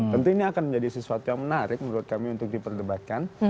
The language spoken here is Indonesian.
tentu ini akan menjadi sesuatu yang menarik menurut kami untuk diperdebatkan